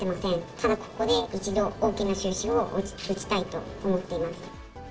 ただここで一度、大きな終止符を打ちたいと思っています。